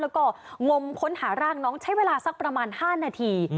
แล้วก็งมค้นหาร่างน้องใช้เวลาสักประมาณ๕นาที